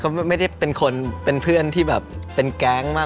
ก็ไม่ได้เป็นเพื่อนที่เป็นแก๊งมาก